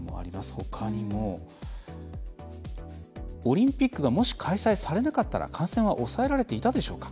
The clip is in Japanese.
ほかにも「オリンピックがもし開催されなかったら感染は抑えられていたでしょうか。